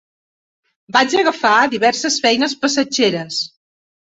Vaig agafar diverses feines passatgeres.